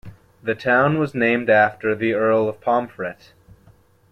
The town was named after the Earl of Pomfret.